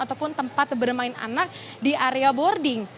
ataupun tempat bermain anak di area boarding